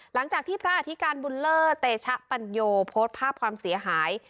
หลังจากที่พระอธิการบุญเลอร์เตชะปัญโยโพสต์ภาพความเสียหาย